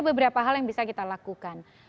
beberapa hal yang bisa kita lakukan